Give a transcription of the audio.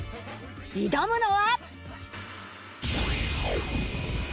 挑むのは